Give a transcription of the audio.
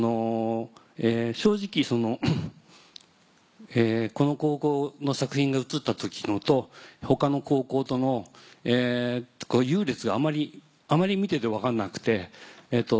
正直この高校の作品が映った時のと他の高校との優劣があまり見てて分かんなくて。